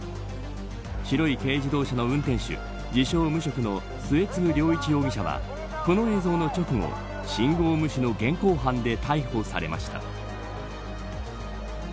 白い軽自動車の運転手自称、無職の末次良一容疑者はこの映像の直後信号無視の現行犯で逮捕されました。